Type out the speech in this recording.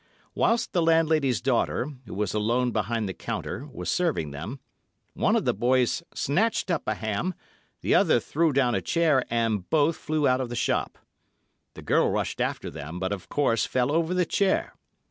Whilst the landlady's daughter, who was alone behind the counter, was serving them, one of the boys snatched up a ham, the other threw down a chair, and both flew out of the shop. The girl rushed after them, but of course fell over the chair.